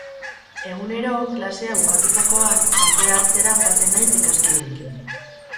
Egunero, klasea bukatutakoan, kafea hartzera joaten naiz ikaskideekin.